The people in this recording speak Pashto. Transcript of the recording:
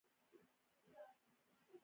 آیا ایران د افغان کډوالو کوربه نه دی؟